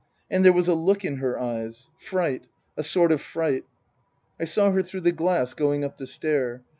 And there was a look in her eyes Fright, a sort of fright. " I saw her through the glass going up the stair.